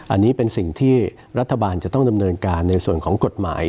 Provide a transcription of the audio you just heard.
อันนี้เป็นสิ่งที่รัฐบาลจะต้องดำเนินการในส่วนของกฎหมาย